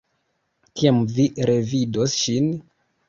Kiam vi revidos ŝin?